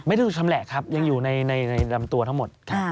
ถูกชำแหละครับยังอยู่ในลำตัวทั้งหมด